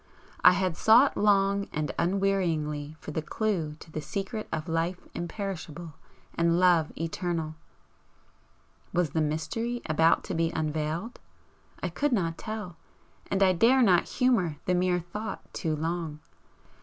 I had sought long and unwearyingly for the clue to the secret of life imperishable and love eternal, was the mystery about to be unveiled? I could not tell and I dare not humour the mere thought too long.